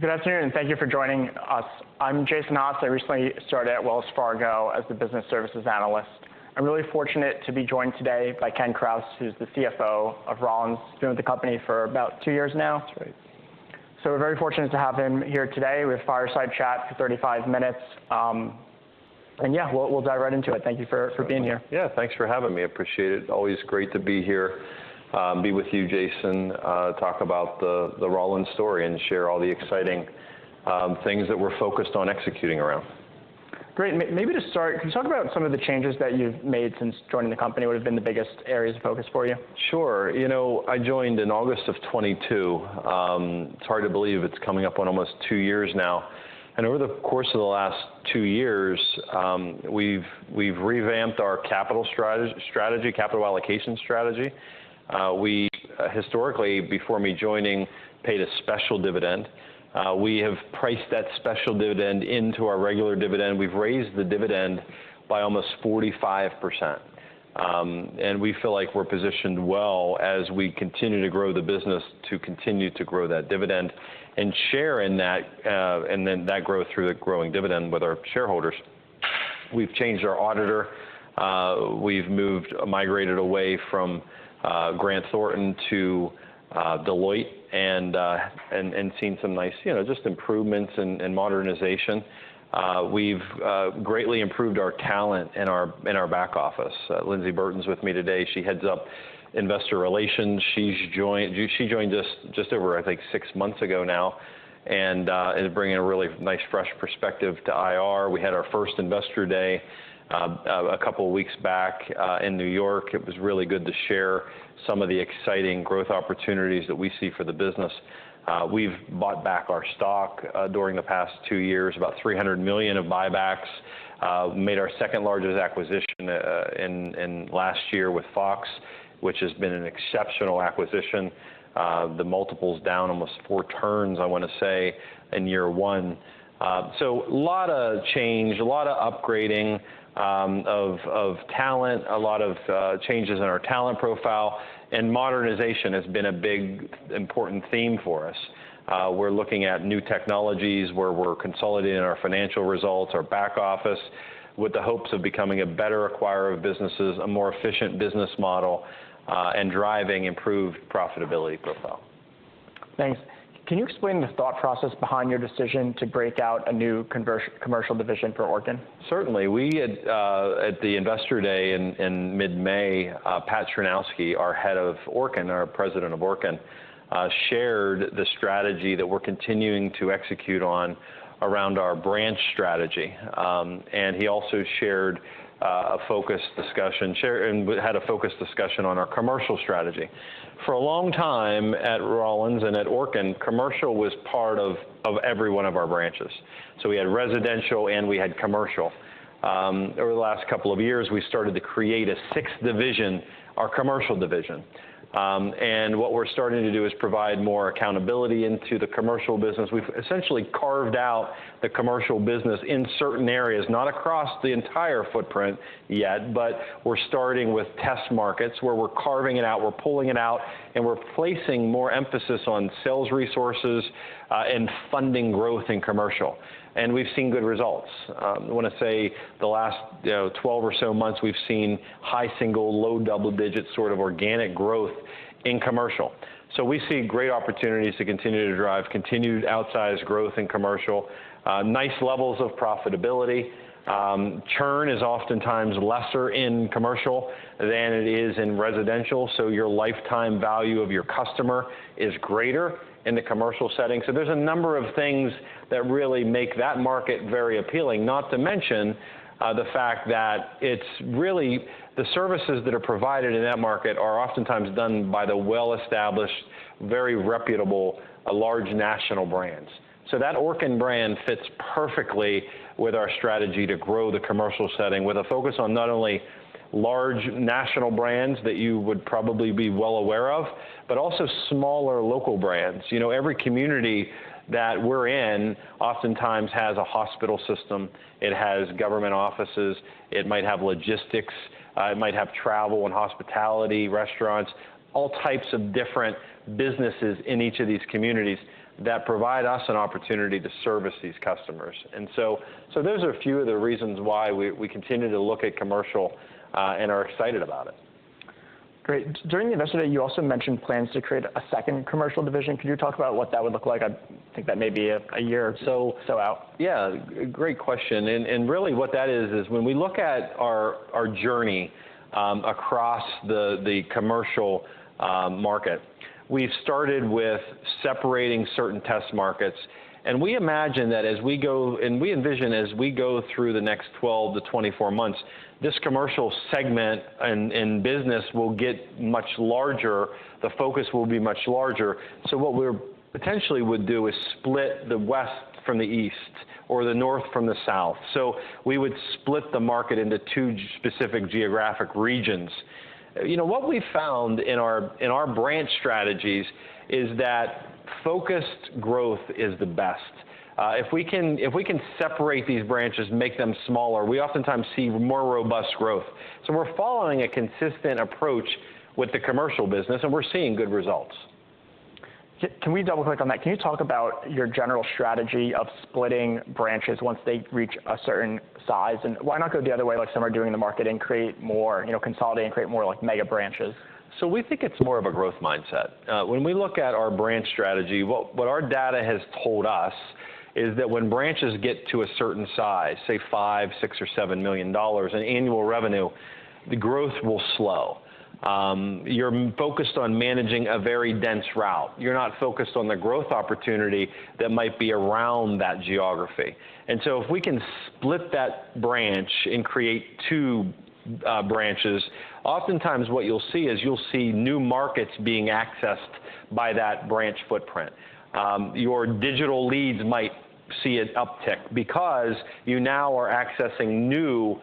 Good afternoon, and thank you for joining us. I'm Jason Haas. I recently started at Wells Fargo as the Business Services Analyst. I'm really fortunate to be joined today by Ken Krause, who's the CFO of Rollins. He's been with the company for about two years now. That's right. We're very fortunate to have him here today. We have a fireside chat for 35 minutes. Yeah, we'll dive right into it. Thank you for being here. Yeah, thanks for having me. I appreciate it. Always great to be here, be with you, Jason, talk about the Rollins story, and share all the exciting things that we're focused on executing around. Great. Maybe to start, can you talk about some of the changes that you've made since joining the company? What have been the biggest areas of focus for you? Sure. You know, I joined in August of 2022. It's hard to believe it's coming up on almost two years now. Over the course of the last two years, we've revamped our capital strategy, capital allocation strategy. We historically, before me joining, paid a special dividend. We have priced that special dividend into our regular dividend. We've raised the dividend by almost 45%. We feel like we're positioned well as we continue to grow the business, to continue to grow that dividend, and share in that, and then that growth through the growing dividend with our shareholders. We've changed our auditor. We've moved, migrated away from Grant Thornton to Deloitte, and seen some nice, you know, just improvements and modernization. We've greatly improved our talent in our back office. Lyndsey Burton's with me today. She heads up investor relations. She joined us just over, I think, six months ago now, and is bringing a really nice, fresh perspective to IR. We had our first Investor Day a couple of weeks back in New York. It was really good to share some of the exciting growth opportunities that we see for the business. We've bought back our stock during the past two years, about $300 million of buybacks. Made our second largest acquisition last year with Fox, which has been an exceptional acquisition. The multiple's down almost four turns, I want to say, in year one. So a lot of change, a lot of upgrading of talent, a lot of changes in our talent profile. And modernization has been a big, important theme for us. We're looking at new technologies where we're consolidating our financial results, our back office, with the hopes of becoming a better acquirer of businesses, a more efficient business model, and driving improved profitability profile. Thanks. Can you explain the thought process behind your decision to break out a new commercial division for Orkin? Certainly. At the Investor Day in mid-May, Pat Chrzanowski, our head of Orkin, our president of Orkin, shared the strategy that we're continuing to execute on around our branch strategy. He also shared a focused discussion, and had a focused discussion on our commercial strategy. For a long time at Rollins and at Orkin, commercial was part of every one of our branches. We had residential, and we had commercial. Over the last couple of years, we started to create a sixth division, our commercial division. What we're starting to do is provide more accountability into the commercial business. We've essentially carved out the commercial business in certain areas, not across the entire footprint yet, but we're starting with test markets where we're carving it out, we're pulling it out, and we're placing more emphasis on sales resources and funding growth in commercial. And we've seen good results. I want to say the last 12 or so months, we've seen high single, low double digit sort of organic growth in commercial. So we see great opportunities to continue to drive continued outsized growth in commercial, nice levels of profitability. Churn is oftentimes lesser in commercial than it is in residential, so your lifetime value of your customer is greater in the commercial setting. So there's a number of things that really make that market very appealing, not to mention the fact that it's really the services that are provided in that market are oftentimes done by the well-established, very reputable, large national brands. So that Orkin brand fits perfectly with our strategy to grow the commercial setting, with a focus on not only large national brands that you would probably be well aware of, but also smaller local brands. You know, every community that we're in oftentimes has a hospital system. It has government offices. It might have logistics. It might have travel and hospitality, restaurants, all types of different businesses in each of these communities that provide us an opportunity to service these customers. And so those are a few of the reasons why we continue to look at commercial and are excited about it. Great. During the Investor Day, you also mentioned plans to create a second commercial division. Could you talk about what that would look like? I think that may be a year or so out. Yeah, great question. And really what that is, is when we look at our journey across the commercial market, we've started with separating certain test markets. And we imagine that as we go, and we envision as we go through the next 12-24 months, this commercial segment in business will get much larger. The focus will be much larger. So what we potentially would do is split the West from the East or the North from the South. So we would split the market into two specific geographic regions. You know, what we found in our branch strategies is that focused growth is the best. If we can separate these branches, make them smaller, we oftentimes see more robust growth. So we're following a consistent approach with the commercial business, and we're seeing good results. Can we double-click on that? Can you talk about your general strategy of splitting branches once they reach a certain size? Why not go the other way, like some are doing in the market, and create more, you know, consolidate and create more like mega branches? So we think it's more of a growth mindset. When we look at our branch strategy, what our data has told us is that when branches get to a certain size, say $5 million, $6 million, or $7 million in annual revenue, the growth will slow. You're focused on managing a very dense route. You're not focused on the growth opportunity that might be around that geography. And so if we can split that branch and create two branches, oftentimes what you'll see is you'll see new markets being accessed by that branch footprint. Your digital leads might see an uptick because you now are accessing new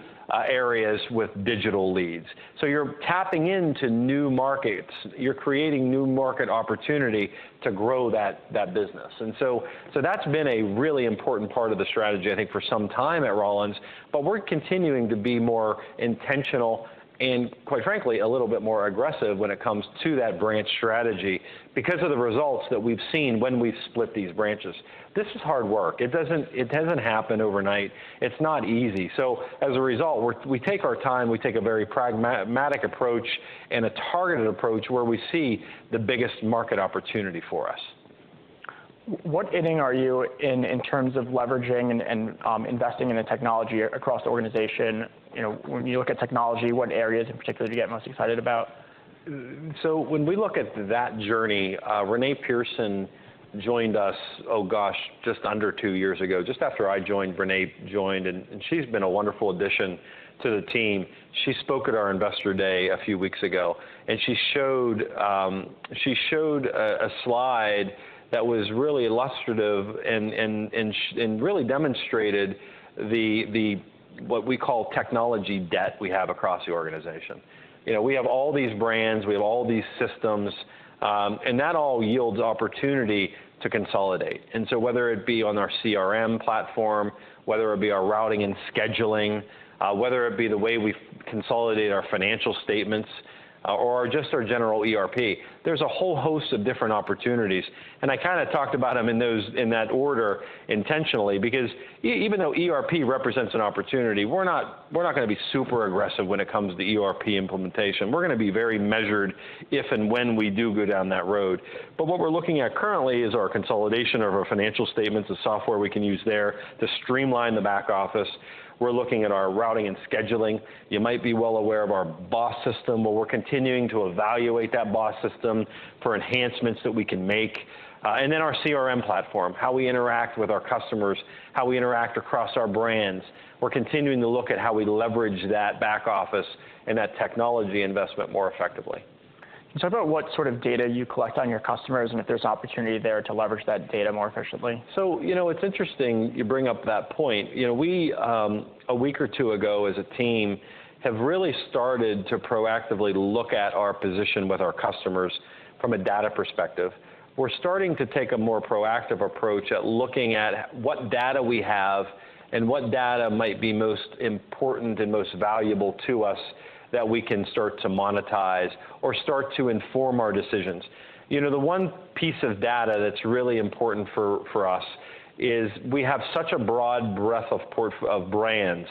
areas with digital leads. So you're tapping into new markets. You're creating new market opportunity to grow that business. And so that's been a really important part of the strategy, I think, for some time at Rollins. But we're continuing to be more intentional and, quite frankly, a little bit more aggressive when it comes to that branch strategy because of the results that we've seen when we've split these branches. This is hard work. It doesn't happen overnight. It's not easy. So as a result, we take our time. We take a very pragmatic approach and a targeted approach where we see the biggest market opportunity for us. What inning are you in terms of leveraging and investing in the technology across the organization? You know, when you look at technology, what areas in particular do you get most excited about? So when we look at that journey, Renee Pearson joined us, oh gosh, just under two years ago, just after I joined. Renee joined, and she's been a wonderful addition to the team. She spoke at our Investor Day a few weeks ago, and she showed a slide that was really illustrative and really demonstrated what we call technology debt we have across the organization. You know, we have all these brands. We have all these systems. And that all yields opportunity to consolidate. And so whether it be on our CRM platform, whether it be our routing and scheduling, whether it be the way we consolidate our financial statements, or just our general ERP, there's a whole host of different opportunities. And I kind of talked about them in that order intentionally because even though ERP represents an opportunity, we're not going to be super aggressive when it comes to ERP implementation. We're going to be very measured if and when we do go down that road. But what we're looking at currently is our consolidation of our financial statements, the software we can use there to streamline the back office. We're looking at our routing and scheduling. You might be well aware of our BOSS system. Well, we're continuing to evaluate that BOSS system for enhancements that we can make. And then our CRM platform, how we interact with our customers, how we interact across our brands. We're continuing to look at how we leverage that back office and that technology investment more effectively. Can you talk about what sort of data you collect on your customers and if there's opportunity there to leverage that data more efficiently? So, you know, it's interesting you bring up that point. You know, we, a week or two ago as a team, have really started to proactively look at our position with our customers from a data perspective. We're starting to take a more proactive approach at looking at what data we have and what data might be most important and most valuable to us that we can start to monetize or start to inform our decisions. You know, the one piece of data that's really important for us is we have such a broad breadth of brands.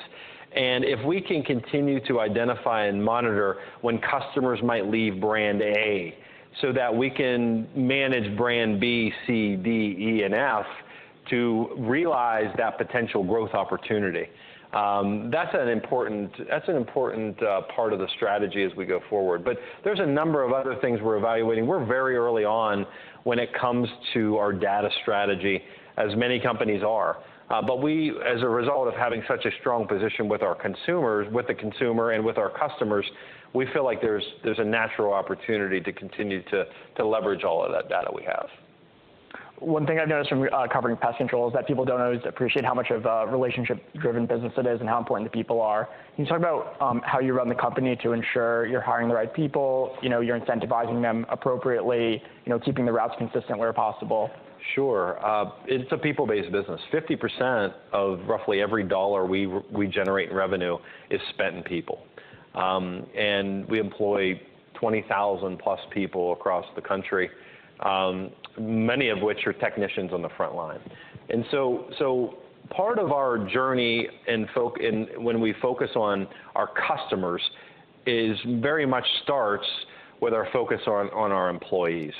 And if we can continue to identify and monitor when customers might leave brand A so that we can manage brand B, C, D, E, and F to realize that potential growth opportunity, that's an important part of the strategy as we go forward. But there's a number of other things we're evaluating. We're very early on when it comes to our data strategy, as many companies are. But we, as a result of having such a strong position with our consumers, with the consumer and with our customers, we feel like there's a natural opportunity to continue to leverage all of that data we have. One thing I've noticed from covering pest control is that people don't always appreciate how much of a relationship-driven business it is and how important the people are. Can you talk about how you run the company to ensure you're hiring the right people, you know, you're incentivizing them appropriately, you know, keeping the routes consistent where possible? Sure. It's a people-based business. 50% of roughly every dollar we generate in revenue is spent in people. And we employ 20,000+ people across the country, many of which are technicians on the front line. And so part of our journey and when we focus on our customers is very much starts with our focus on our employees.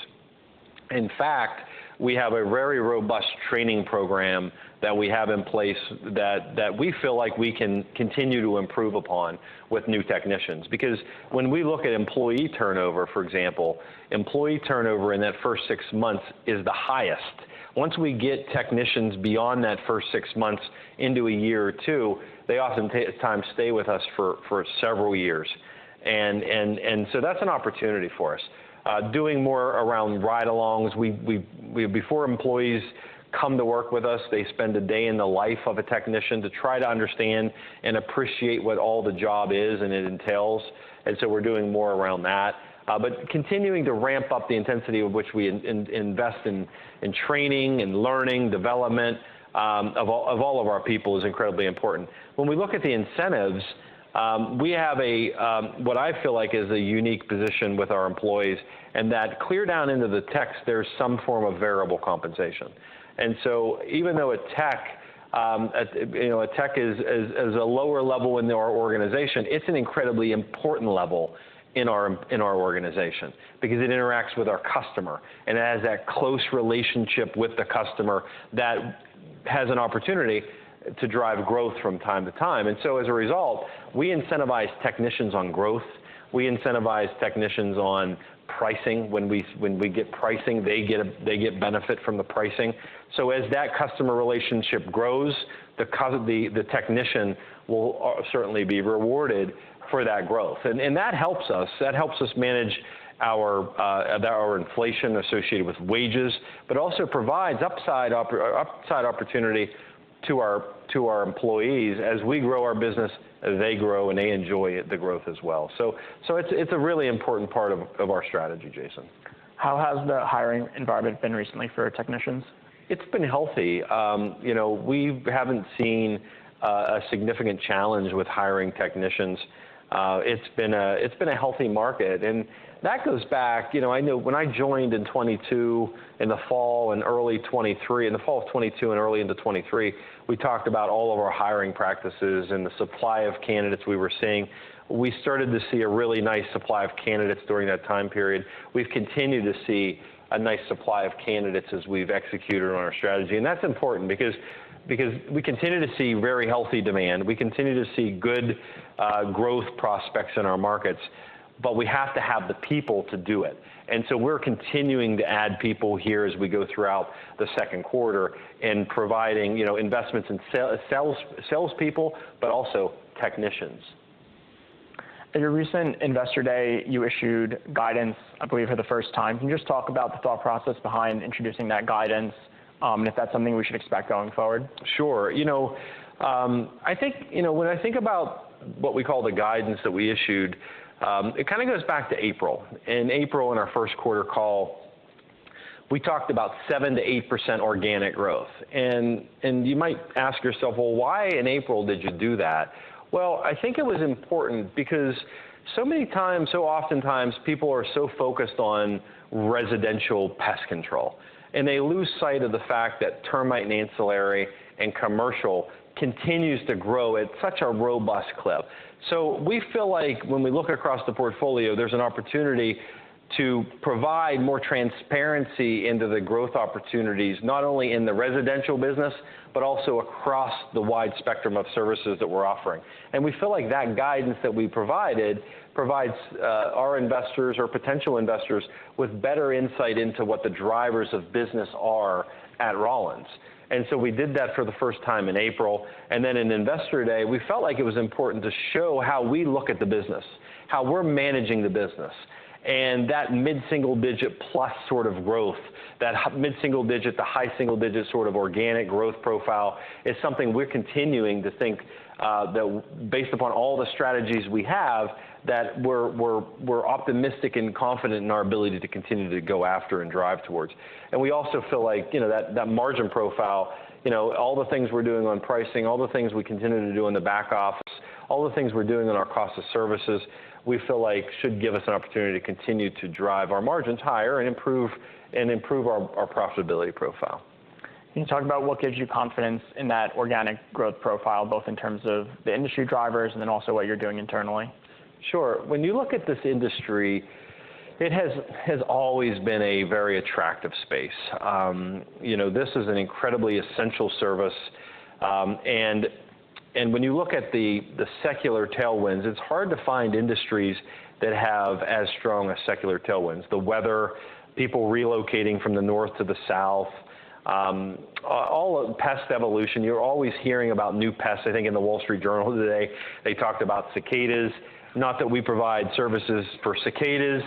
In fact, we have a very robust training program that we have in place that we feel like we can continue to improve upon with new technicians. Because when we look at employee turnover, for example, employee turnover in that first six months is the highest. Once we get technicians beyond that first six months into a year or two, they oftentimes stay with us for several years. And so that's an opportunity for us. Doing more around ride-alongs. Before employees come to work with us, they spend a day in the life of a technician to try to understand and appreciate what all the job is and it entails. So we're doing more around that. Continuing to ramp up the intensity of which we invest in training and learning development of all of our people is incredibly important. When we look at the incentives, we have what I feel like is a unique position with our employees. That carries down into the tech; there's some form of variable compensation. So even though a tech, you know, a tech is a lower level in our organization, it's an incredibly important level in our organization because it interacts with our customer. It has that close relationship with the customer that has an opportunity to drive growth from time to time. As a result, we incentivize technicians on growth. We incentivize technicians on pricing. When we get pricing, they get benefit from the pricing. As that customer relationship grows, the technician will certainly be rewarded for that growth. That helps us. That helps us manage our inflation associated with wages, but also provides upside opportunity to our employees. As we grow our business, they grow, and they enjoy the growth as well. It's a really important part of our strategy, Jason. How has the hiring environment been recently for technicians? It's been healthy. You know, we haven't seen a significant challenge with hiring technicians. It's been a healthy market. And that goes back, you know, I know when I joined in 2022, in the fall and early 2023, in the fall of 2022 and early into 2023, we talked about all of our hiring practices and the supply of candidates we were seeing. We started to see a really nice supply of candidates during that time period. We've continued to see a nice supply of candidates as we've executed on our strategy. And that's important because we continue to see very healthy demand. We continue to see good growth prospects in our markets. But we have to have the people to do it. And so we're continuing to add people here as we go throughout the second quarter and providing, you know, investments in salespeople, but also technicians. At a recent Investor Day, you issued guidance, I believe, for the first time. Can you just talk about the thought process behind introducing that guidance and if that's something we should expect going forward? Sure. You know, I think, you know, when I think about what we call the guidance that we issued, it kind of goes back to April. In April, in our first quarter call, we talked about 7%-8% organic growth. And you might ask yourself, well, why in April did you do that? Well, I think it was important because so many times, so oftentimes, people are so focused on residential pest control. And they lose sight of the fact that termite and ancillary and commercial continues to grow at such a robust clip. So we feel like when we look across the portfolio, there's an opportunity to provide more transparency into the growth opportunities, not only in the residential business, but also across the wide spectrum of services that we're offering. We feel like that guidance that we provided provides our investors or potential investors with better insight into what the drivers of business are at Rollins. So we did that for the first time in April. Then in Investor Day, we felt like it was important to show how we look at the business, how we're managing the business. That mid-single digit plus sort of growth, that mid-single digit, the high single digit sort of organic growth profile is something we're continuing to think that based upon all the strategies we have, that we're optimistic and confident in our ability to continue to go after and drive towards. We also feel like, you know, that margin profile, you know, all the things we're doing on pricing, all the things we continue to do in the back office, all the things we're doing in our cost of services, we feel like should give us an opportunity to continue to drive our margins higher and improve our profitability profile. Can you talk about what gives you confidence in that organic growth profile, both in terms of the industry drivers and then also what you're doing internally? Sure. When you look at this industry, it has always been a very attractive space. You know, this is an incredibly essential service. And when you look at the secular tailwinds, it's hard to find industries that have as strong a secular tailwind. The weather, people relocating from the North to the South, all pest evolution, you're always hearing about new pests. I think in The Wall Street Journal today, they talked about cicadas. Not that we provide services for cicadas,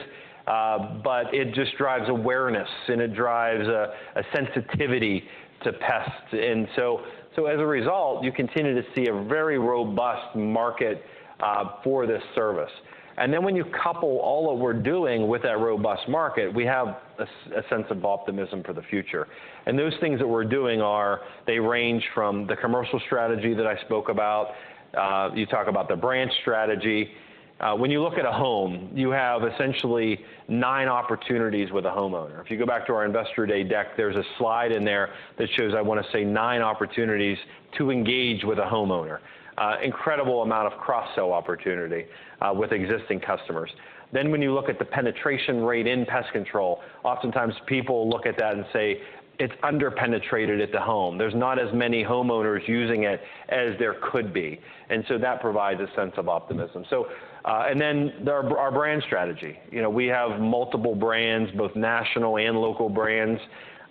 but it just drives awareness and it drives a sensitivity to pests. And so as a result, you continue to see a very robust market for this service. And then when you couple all that we're doing with that robust market, we have a sense of optimism for the future. And those things that we're doing are, they range from the commercial strategy that I spoke about. You talk about the branch strategy. When you look at a home, you have essentially nine opportunities with a homeowner. If you go back to our Investor Day deck, there's a slide in there that shows, I want to say, nine opportunities to engage with a homeowner. Incredible amount of cross-sell opportunity with existing customers. Then when you look at the penetration rate in pest control, oftentimes people look at that and say, it's underpenetrated at the home. There's not as many homeowners using it as there could be. And so that provides a sense of optimism. And then our brand strategy. You know, we have multiple brands, both national and local brands.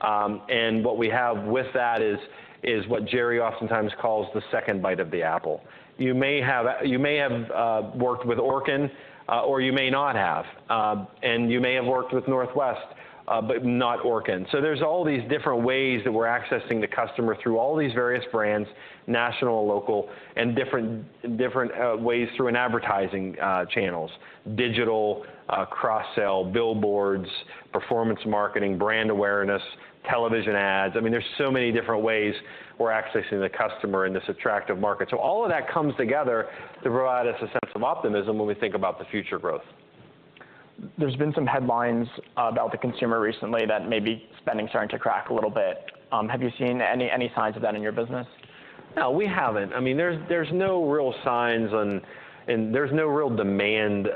And what we have with that is what Jerry oftentimes calls the second bite of the apple. You may have worked with Orkin, or you may not have. You may have worked with Northwest, but not Orkin. There's all these different ways that we're accessing the customer through all these various brands, national, local, and different ways through advertising channels, digital, cross-sell, billboards, performance marketing, brand awareness, television ads. I mean, there's so many different ways we're accessing the customer in this attractive market. All of that comes together to provide us a sense of optimism when we think about the future growth. There's been some headlines about the consumer recently that maybe spending is starting to crack a little bit. Have you seen any signs of that in your business? No, we haven't. I mean, there's no real signs and there's no real demand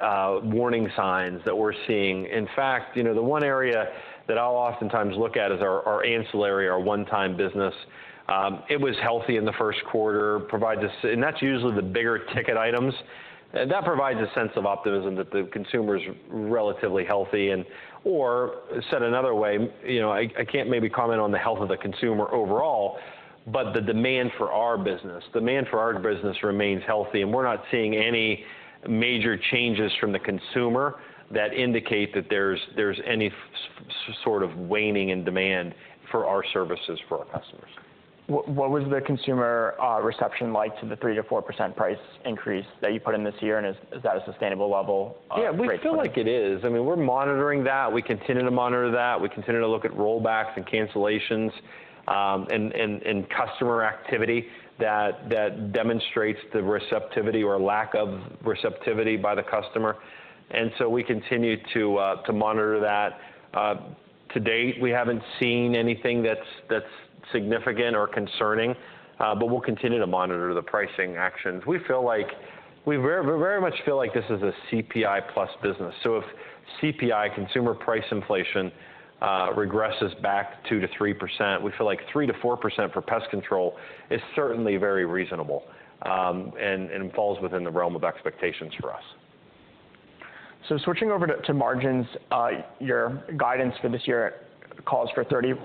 warning signs that we're seeing. In fact, you know, the one area that I'll oftentimes look at is our ancillary, our one-time business. It was healthy in the first quarter, provides us, and that's usually the bigger ticket items. That provides a sense of optimism that the consumer's relatively healthy. And, or said another way, you know, I can't maybe comment on the health of the consumer overall, but the demand for our business, demand for our business remains healthy. And we're not seeing any major changes from the consumer that indicate that there's any sort of waning in demand for our services for our customers. What was the consumer reception like to the 3%-4% price increase that you put in this year? And is that a sustainable level? Yeah, we feel like it is. I mean, we're monitoring that. We continue to monitor that. We continue to look at rollbacks and cancellations and customer activity that demonstrates the receptivity or lack of receptivity by the customer. And so we continue to monitor that. To date, we haven't seen anything that's significant or concerning. But we'll continue to monitor the pricing actions. We feel like, we very much feel like this is a CPI plus business. So if CPI, consumer price inflation, regresses back 2%-3%, we feel like 3%-4% for pest control is certainly very reasonable and falls within the realm of expectations for us. Switching over to margins, your guidance for this year calls for 30%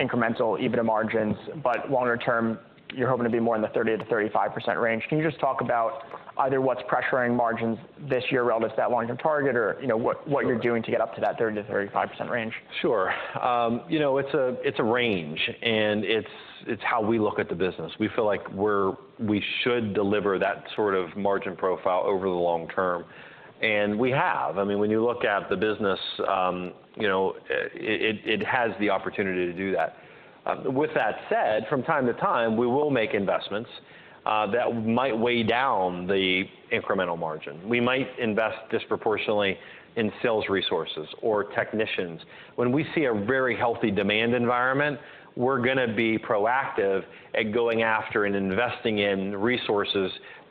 incremental EBITDA margins. Longer term, you're hoping to be more in the 30%-35% range. Can you just talk about either what's pressuring margins this year relative to that long-term target or, you know, what you're doing to get up to that 30%-35% range? Sure. You know, it's a range. It's how we look at the business. We feel like we should deliver that sort of margin profile over the long term. We have. I mean, when you look at the business, you know, it has the opportunity to do that. With that said, from time to time, we will make investments that might weigh down the incremental margin. We might invest disproportionately in sales resources or technicians. When we see a very healthy demand environment, we're going to be proactive at going after and investing in resources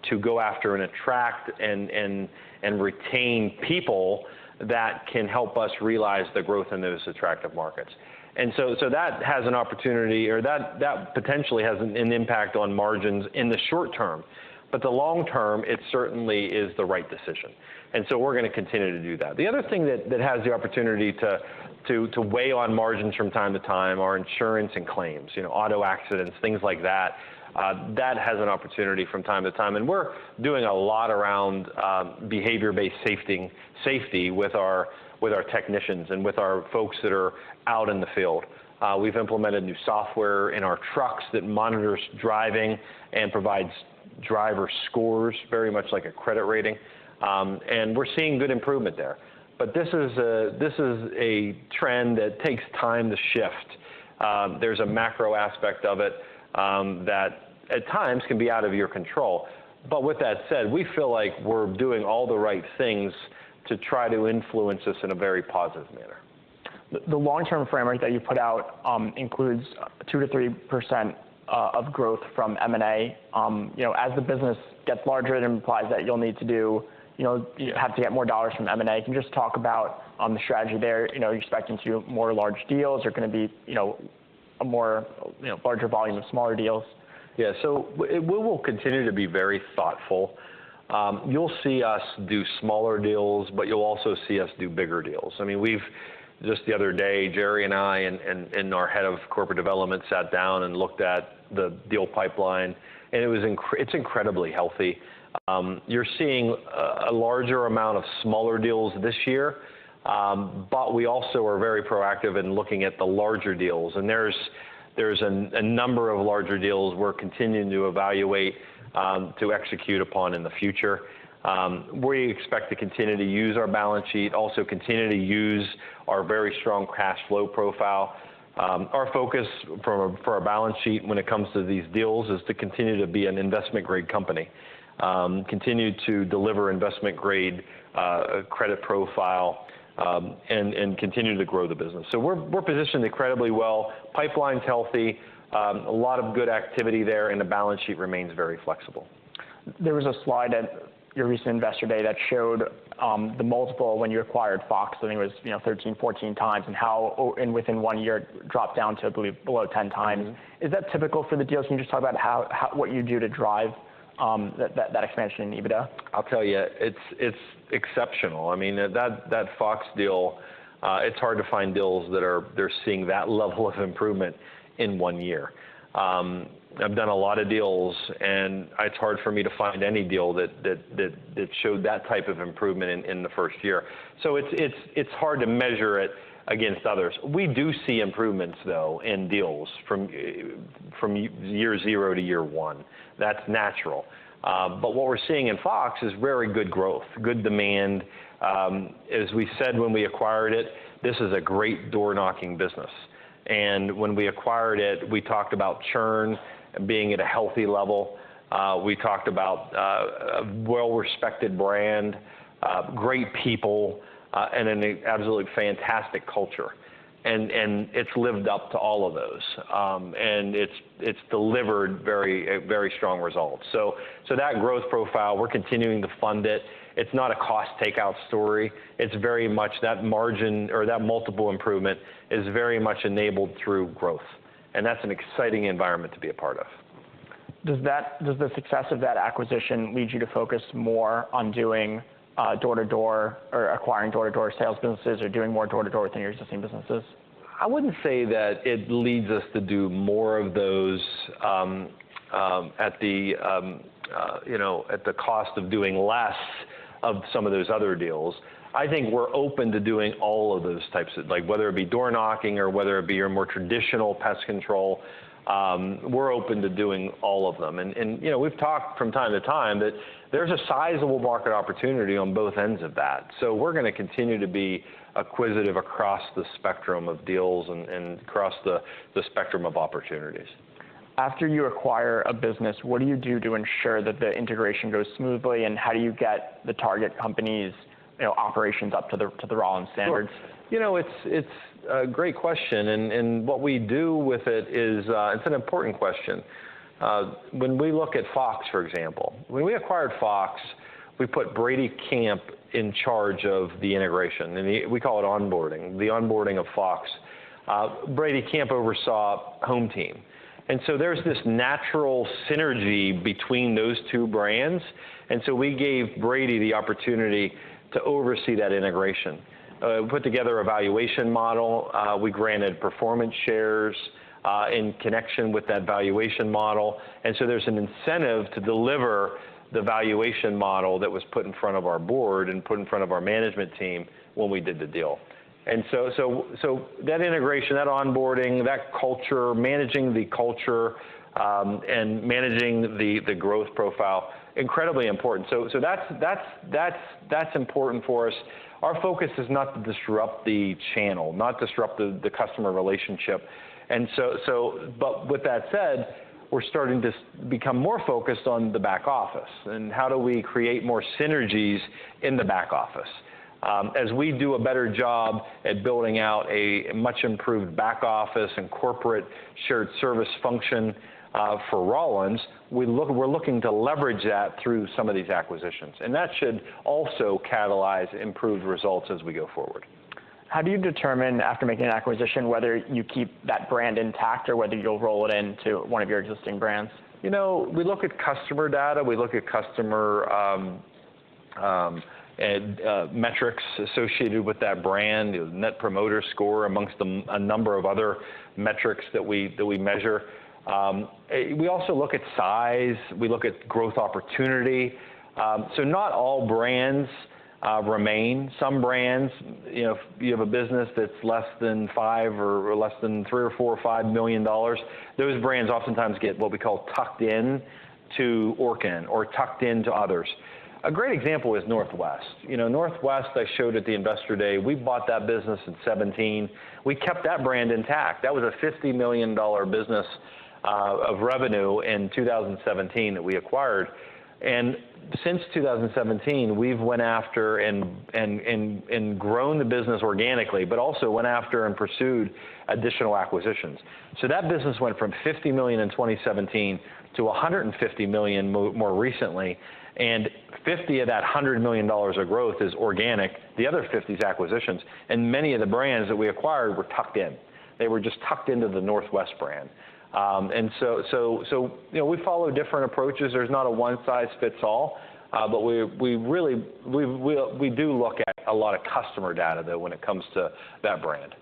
to go after and attract and retain people that can help us realize the growth in those attractive markets. So that has an opportunity, or that potentially has an impact on margins in the short term. But the long term, it certainly is the right decision. And so we're going to continue to do that. The other thing that has the opportunity to weigh on margins from time to time are insurance and claims, you know, auto accidents, things like that. That has an opportunity from time to time. And we're doing a lot around behavior-based safety with our technicians and with our folks that are out in the field. We've implemented new software in our trucks that monitors driving and provides driver scores, very much like a credit rating. And we're seeing good improvement there. But this is a trend that takes time to shift. There's a macro aspect of it that at times can be out of your control. But with that said, we feel like we're doing all the right things to try to influence this in a very positive manner. The long-term framework that you put out includes 2%-3% of growth from M&A. You know, as the business gets larger, it implies that you'll need to do, you know, have to get more dollars from M&A. Can you just talk about the strategy there? You know, you're expecting to do more large deals. There are going to be, you know, a larger volume of smaller deals. Yeah. So we will continue to be very thoughtful. You'll see us do smaller deals, but you'll also see us do bigger deals. I mean, we've just the other day, Jerry and I and our head of corporate development sat down and looked at the deal pipeline. And it was, it's incredibly healthy. You're seeing a larger amount of smaller deals this year. But we also are very proactive in looking at the larger deals. And there's a number of larger deals we're continuing to evaluate to execute upon in the future. We expect to continue to use our balance sheet, also continue to use our very strong cash flow profile. Our focus for our balance sheet when it comes to these deals is to continue to be an investment-grade company, continue to deliver investment-grade credit profile, and continue to grow the business. So we're positioned incredibly well. Pipeline's healthy. A lot of good activity there. The balance sheet remains very flexible. There was a slide at your recent Investor Day that showed the multiple when you acquired Fox. I think it was 13x-14x. And how within one year it dropped down to, I believe, below 10x. Is that typical for the deals? Can you just talk about what you do to drive that expansion in EBITDA? I'll tell you, it's exceptional. I mean, that Fox deal, it's hard to find deals that are seeing that level of improvement in one year. I've done a lot of deals. And it's hard for me to find any deal that showed that type of improvement in the first year. So it's hard to measure it against others. We do see improvements, though, in deals from year zero to year one. That's natural. But what we're seeing in Fox is very good growth, good demand. As we said when we acquired it, this is a great door-knocking business. And when we acquired it, we talked about churn being at a healthy level. We talked about a well-respected brand, great people, and an absolutely fantastic culture. And it's lived up to all of those. And it's delivered very strong results. So that growth profile, we're continuing to fund it. It's not a cost takeout story. It's very much that margin or that multiple improvement is very much enabled through growth. That's an exciting environment to be a part of. Does the success of that acquisition lead you to focus more on doing door-to-door or acquiring door-to-door sales businesses or doing more door-to-door than your existing businesses? I wouldn't say that it leads us to do more of those, you know, at the cost of doing less of some of those other deals. I think we're open to doing all of those types of, like whether it be door-knocking or whether it be your more traditional pest control, we're open to doing all of them. You know, we've talked from time to time that there's a sizable market opportunity on both ends of that. We're going to continue to be acquisitive across the spectrum of deals and across the spectrum of opportunities. After you acquire a business, what do you do to ensure that the integration goes smoothly? How do you get the target company's operations up to the Rollins standards? You know, it's a great question. And what we do with it is, it's an important question. When we look at Fox, for example, when we acquired Fox, we put Brady Camp in charge of the integration. And we call it onboarding, the onboarding of Fox. Brady Camp oversaw HomeTeam. And so there's this natural synergy between those two brands. And so we gave Brady the opportunity to oversee that integration. We put together a valuation model. We granted performance shares in connection with that valuation model. And so there's an incentive to deliver the valuation model that was put in front of our board and put in front of our management team when we did the deal. And so that integration, that onboarding, that culture, managing the culture and managing the growth profile, incredibly important. So that's important for us. Our focus is not to disrupt the channel, not disrupt the customer relationship. With that said, we're starting to become more focused on the back office. How do we create more synergies in the back office? As we do a better job at building out a much improved back office and corporate shared service function for Rollins, we're looking to leverage that through some of these acquisitions. That should also catalyze improved results as we go forward. How do you determine, after making an acquisition, whether you keep that brand intact or whether you'll roll it into one of your existing brands? You know, we look at customer data. We look at customer metrics associated with that brand, Net Promoter Score amongst a number of other metrics that we measure. We also look at size. We look at growth opportunity. So not all brands remain. Some brands, you know, if you have a business that's less than $5 million or less than $3, $4, or $5 million, those brands oftentimes get what we call tucked into Orkin or tucked into others. A great example is Northwest. You know, Northwest, I showed at the Investor Day, we bought that business in 2017. We kept that brand intact. That was a $50 million business of revenue in 2017 that we acquired. And since 2017, we've went after and grown the business organically, but also went after and pursued additional acquisitions. So that business went from $50 million in 2017 to $150 million more recently. And $50 of that $100 million of growth is organic. The other $50 is acquisitions. And many of the brands that we acquired were tucked in. They were just tucked into the Northwest brand. And so, you know, we follow different approaches. There's not a one-size-fits-all. But we really, we do look at a lot of customer data, though, when it comes to that brand.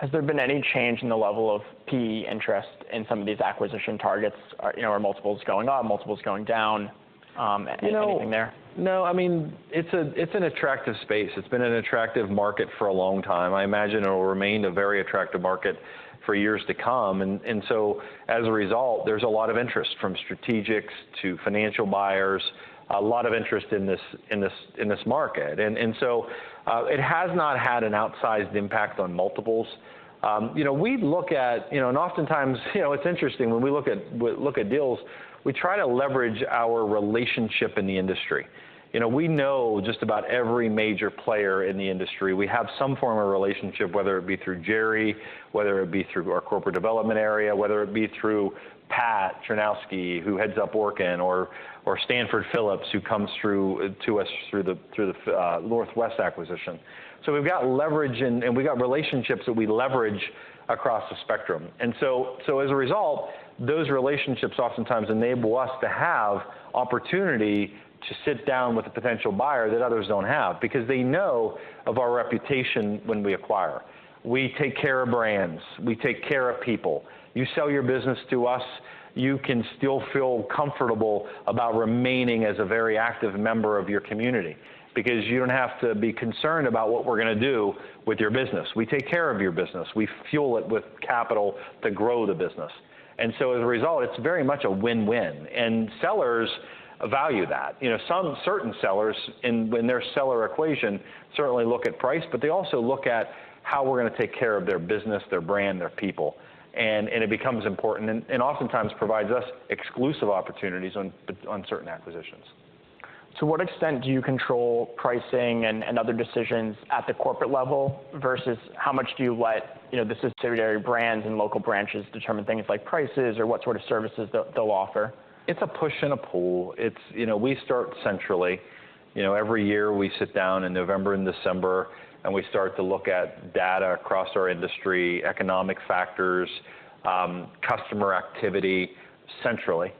Has there been any change in the level of PE interest in some of these acquisition targets? You know, are multiples going up, multiples going down, anything there? No. I mean, it's an attractive space. It's been an attractive market for a long time. I imagine it will remain a very attractive market for years to come. And so, as a result, there's a lot of interest from strategics to financial buyers, a lot of interest in this market. And so it has not had an outsized impact on multiples. You know, we look at, you know, and oftentimes, you know, it's interesting when we look at deals, we try to leverage our relationship in the industry. You know, we know just about every major player in the industry. We have some form of relationship, whether it be through Jerry, whether it be through our corporate development area, whether it be through Pat Chrzanowski, who heads up Orkin, or Stanford Phillips, who comes through to us through the Northwest acquisition. So we've got leverage, and we've got relationships that we leverage across the spectrum. And so, as a result, those relationships oftentimes enable us to have opportunity to sit down with a potential buyer that others don't have because they know of our reputation when we acquire. We take care of brands. We take care of people. You sell your business to us, you can still feel comfortable about remaining as a very active member of your community because you don't have to be concerned about what we're going to do with your business. We take care of your business. We fuel it with capital to grow the business. And so, as a result, it's very much a win-win. And sellers value that. You know, some certain sellers, in their seller equation, certainly look at price, but they also look at how we're going to take care of their business, their brand, their people. It becomes important and oftentimes provides us exclusive opportunities on certain acquisitions. To what extent do you control pricing and other decisions at the corporate level versus how much do you let, you know, the subsidiary brands and local branches determine things like prices or what sort of services they'll offer? It's a push and a pull. It's, you know, we start centrally. You know, every year we sit down in November and December, and we start to look at data across our industry, economic factors, customer activity centrally.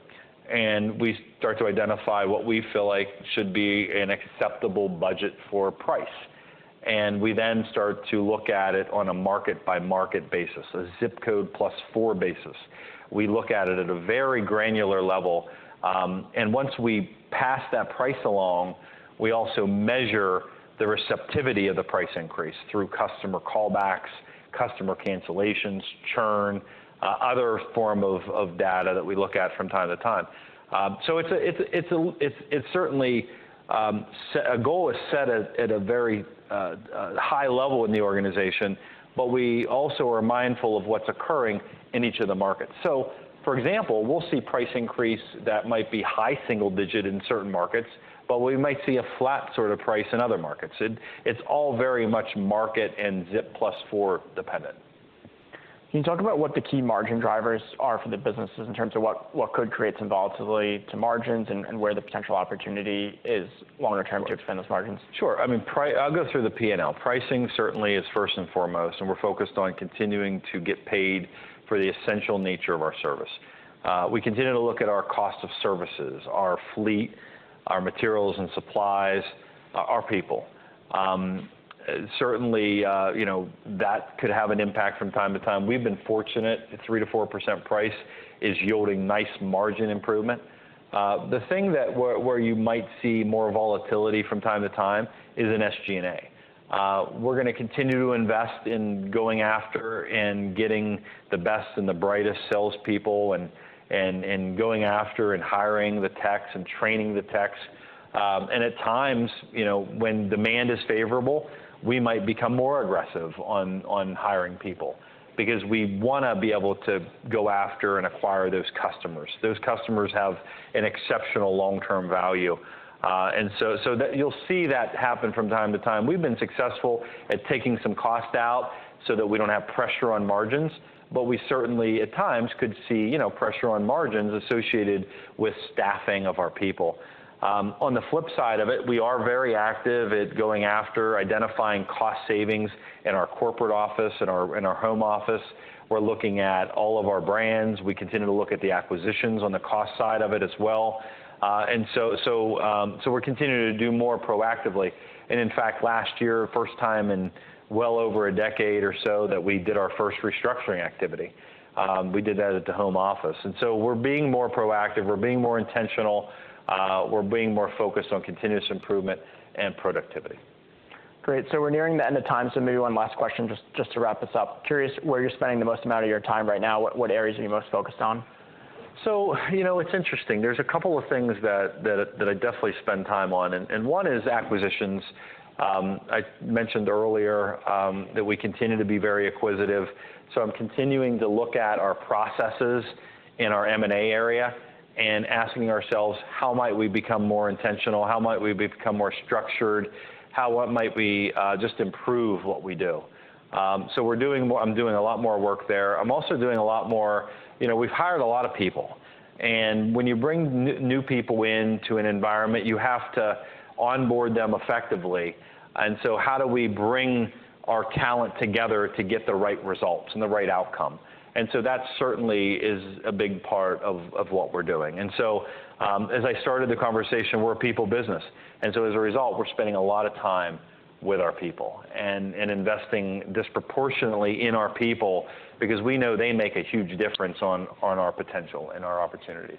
And we start to identify what we feel like should be an acceptable budget for price. And we then start to look at it on a market-by-market basis, a ZIP code plus four basis. We look at it at a very granular level. And once we pass that price along, we also measure the receptivity of the price increase through customer callbacks, customer cancellations, churn, other forms of data that we look at from time to time. So it's certainly a goal set at a very high level in the organization, but we also are mindful of what's occurring in each of the markets. So, for example, we'll see price increase that might be high single-digit in certain markets, but we might see a flat sort of price in other markets. It's all very much market and ZIP plus four dependent. Can you talk about what the key margin drivers are for the businesses in terms of what could create some volatility to margins and where the potential opportunity is longer term to expand those margins? Sure. I mean, I'll go through the P&L. Pricing certainly is first and foremost. We're focused on continuing to get paid for the essential nature of our service. We continue to look at our cost of services, our fleet, our materials and supplies, our people. Certainly, you know, that could have an impact from time to time. We've been fortunate. The 3%-4% price is yielding nice margin improvement. The thing where you might see more volatility from time to time is in SG&A. We're going to continue to invest in going after and getting the best and the brightest salespeople and going after and hiring the techs and training the techs. At times, you know, when demand is favorable, we might become more aggressive on hiring people because we want to be able to go after and acquire those customers. Those customers have an exceptional long-term value. And so you'll see that happen from time to time. We've been successful at taking some cost out so that we don't have pressure on margins. But we certainly, at times, could see, you know, pressure on margins associated with staffing of our people. On the flip side of it, we are very active at going after, identifying cost savings in our corporate office and our home office. We're looking at all of our brands. We continue to look at the acquisitions on the cost side of it as well. And so we're continuing to do more proactively. And in fact, last year, first time in well over a decade or so that we did our first restructuring activity. We did that at the home office. And so we're being more proactive. We're being more intentional. We're being more focused on continuous improvement and productivity. Great. So we're nearing the end of time. Maybe one last question just to wrap this up. Curious where you're spending the most amount of your time right now. What areas are you most focused on? So, you know, it's interesting. There's a couple of things that I definitely spend time on. One is acquisitions. I mentioned earlier that we continue to be very acquisitive. So I'm continuing to look at our processes in our M&A area and asking ourselves, how might we become more intentional? How might we become more structured? How might we just improve what we do? So I'm doing a lot more work there. I'm also doing a lot more, you know, we've hired a lot of people. And when you bring new people into an environment, you have to onboard them effectively. And so how do we bring our talent together to get the right results and the right outcome? And so that certainly is a big part of what we're doing. And so as I started the conversation, we're a people business. And so as a result, we're spending a lot of time with our people and investing disproportionately in our people because we know they make a huge difference on our potential and our opportunities.